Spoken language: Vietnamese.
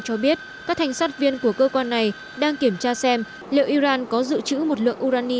cho biết các thành sát viên của cơ quan này đang kiểm tra xem liệu iran có dự trữ một lượng urani